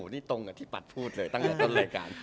นี่ตรงกับที่ปัดพูดเลยตั้งแต่ต้นรายการ